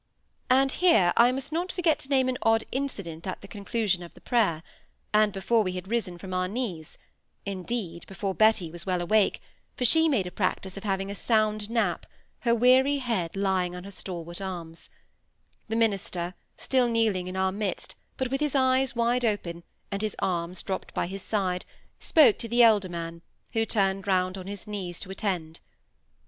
And here I must not forget to name an odd incident at the conclusion of the prayer, and before we had risen from our knees (indeed before Betty was well awake, for she made a practice of having a sound nap, her weary head lying on her stalwart arms); the minister, still kneeling in our midst, but with his eyes wide open, and his arms dropped by his side, spoke to the elder man, who turned round on his knees to attend.